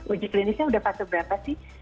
uji klinisnya udah fase berapa sih